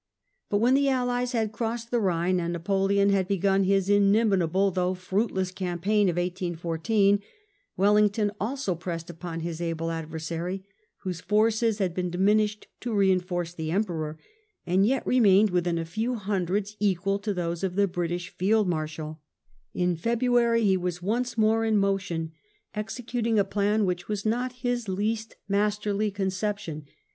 But when the Allies had crossed the Bhine, and Napoleon had begun his inimitable though fruitless campaign of 1814, Wellington also pressed upon his able adversary, whose forces had been diminished to reinforce the Emperor, and yet remained within a few hundreds equal to those of the British Field MarshaL In February he was once more in motion, executing a plan which was not his least 192 WELLINGTON masterly conception.